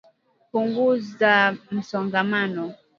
Punguza msongamano